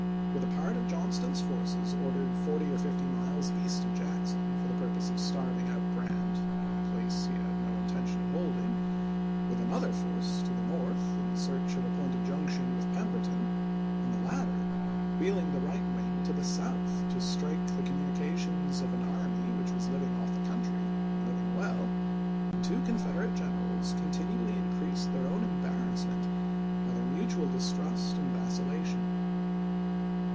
With a part of Johnston's forces ordered forty orfifty miles east of Jackson for the purpose of starv ing out Grant from a place he had no intention of holding ; with another force to the north in search of a point of junction with Pemberton, and the latter wheeling the right wing to the south to strike the communications of an army which was living off the country, and living well, the two Con federate generals continually increased their own embarrassment by their mutual distrust and vacil lation.